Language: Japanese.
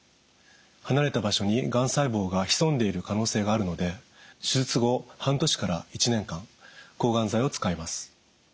離れた場所にがん細胞が潜んでいる可能性があるので手術後半年から１年間抗がん剤を使います。